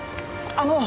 あの。